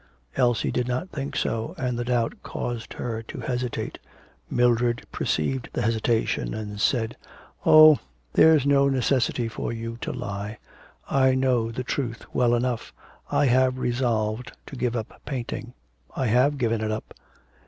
Elsie did not think so, and the doubt caused her to hesitate. Mildred perceived the hesitation and said: 'Oh, there's no necessity for you to lie. I know the truth well enough. I have resolved to give up painting. I have given it up.'